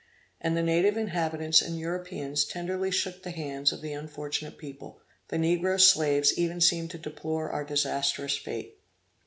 And the native inhabitants and Europeans tenderly shook the hands of the unfortunate people; the negro slaves even seemed to deplore our disastrous fate.